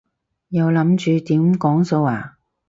又諗住點講數啊？